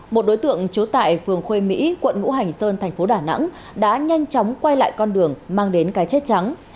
một đối tượng trú tại phường khuê mỹ quận ngũ hành sơn thành phố đà nẵng đã nhanh chóng quay lại con đường mang đến cái chết trắng